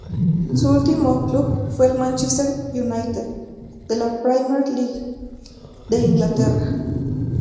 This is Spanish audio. Su último club fue el Manchester United, de la Premier League de Inglaterra.